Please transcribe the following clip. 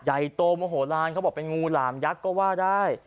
ใหญ่โตโมโหลานเขาบอกเป็นงูหลามยักษ์ก็ว่าได้